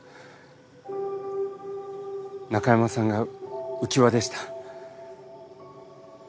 中山さんがうきわでした。